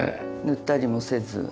塗ったりもせず。